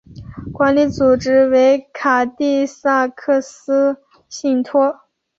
管理组织为卡蒂萨克号信托。